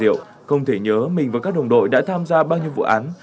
trung tá đinh vị huyền diệu không thể nhớ mình và các đồng đội đã tham gia bao nhiêu vụ án